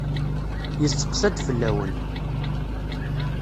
Yesseqsa-d fell-awen.